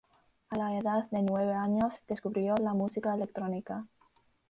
A la edad de nueve años descubrió la música electrónica.